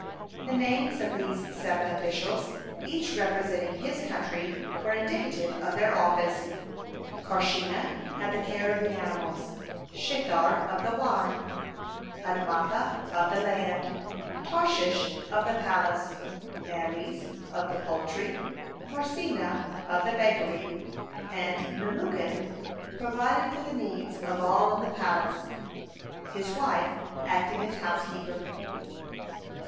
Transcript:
(39) The names of these seven officials, each representing his country, were indicative of their office. Carshena had the care of the animals, Shethar of the wine, Admatha of the land, Tarshish of the palace, Meres of the poultry, Marsena of the bakery, and Memucan provided for the needs of all in the palace, his wife acting as housekeeper.